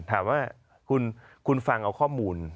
ถามว่าคุณฟังเอาข้อมูล